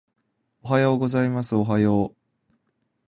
おはようございますおはよう